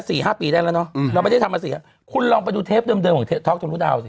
ห้าปีได้แล้วเนอะอืมเราไม่ได้ทำมาสี่อ่ะคุณลองไปดูเทปเดิมของเทปท็อกทะลุดาว